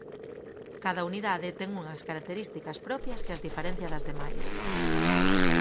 Cada unidade ten unhas características propias que as diferencia das demais.